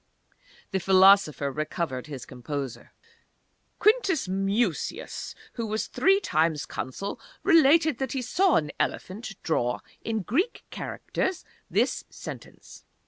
The philosopher recovered his composure. "Quintus Mucius, who was three times Consul, relates that he saw an elephant draw in Greek characters this sentence.